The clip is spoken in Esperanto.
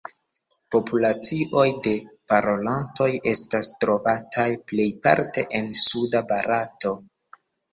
Populacioj de parolantoj estas trovataj plejparte en suda Barato.